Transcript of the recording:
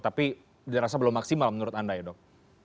tapi dirasa belum maksimal menurut anda ya dok